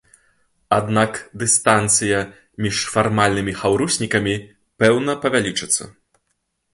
Аднак дыстанцыя між фармальнымі хаўруснікамі пэўна павялічыцца.